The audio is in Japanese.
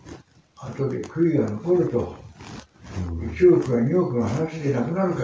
あとで悔いが残ると。